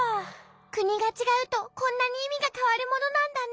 くにがちがうとこんなにいみがかわるものなんだね。